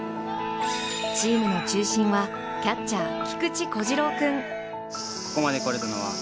チームの中心はキャッチャー菊池虎志朗君。